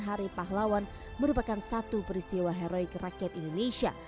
hari pahlawan merupakan satu peristiwa heroik rakyat indonesia